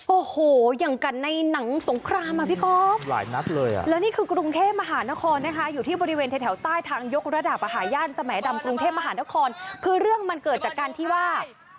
โอ้โหอย่างกันในหนังสงครามอ่ะพี่ก๊อฟหลายนัดเลยอ่ะแล้วนี่คือกรุงเทพมหานครนะคะอยู่ที่บริเวณแถวใต้ทางยกระดับอาหารย่านสแหมดำกรุงเทพมหานครคือเรื่องมันเกิดจากการที่ว่า